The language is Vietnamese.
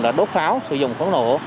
đó đốt pháo sử dụng phóng nổ